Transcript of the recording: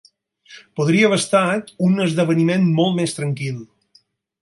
Podria haver estat un esdeveniment molt més tranquil.